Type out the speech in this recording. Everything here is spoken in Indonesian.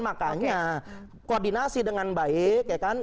makanya koordinasi dengan baik ya kan